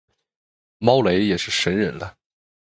猫雷也是神人了